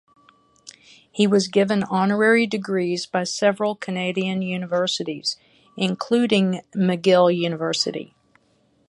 He was given honorary degrees by several Canadian Universities, including McGill University.